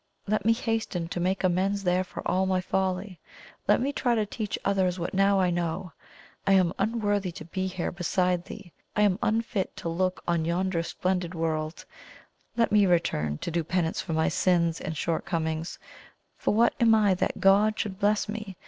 Let me hasten to make amends there for all my folly let me try to teach others what now I know. I am unworthy to be here beside thee I am unfit to look on yonder splendid World let me return to do penance for my sins and shortcomings; for what am I that God should bless me?